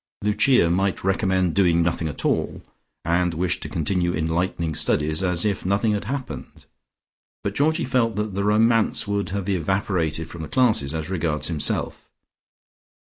Lucia might recommend doing nothing at all, and wish to continue enlightening studies as if nothing had happened. But Georgie felt that the romance would have evaporated from the classes as regards himself.